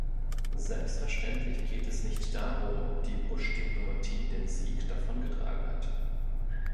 Selbstverständlich geht es nicht darum, ob die Bush-Diplomatie den Sieg davongetragen hat.